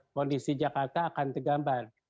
kondisi jakarta akan tergambar